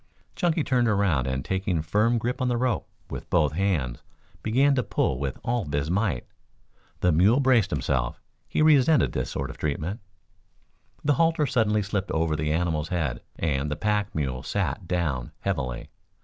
Chunky turned around and taking firm grip on the rope with both hands began to pull with all his might. The mule braced himself. He resented this sort of treatment. The halter suddenly slipped over the animal's head, and the pack mule sat down heavily.